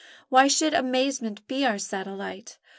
Why should amazement be our satellite?